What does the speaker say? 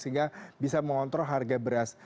sehingga bisa mengontrol harga beras